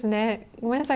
ごめんなさい。